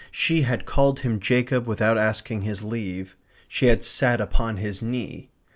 She had called him Jacob without asking his leave. She had sat upon his knee.